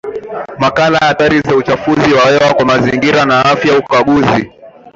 Makala Athari za Uchafuzi wa Hewa kwa Mazingira na Afya Ukaguzi